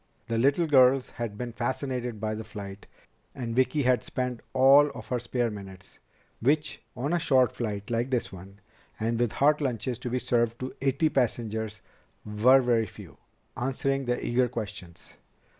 The little girls had been fascinated by the flight, and Vicki had spent all of her spare minutes which on a short flight like this one, and with hot lunches to be served to eighty passengers, were very few answering their eager questions.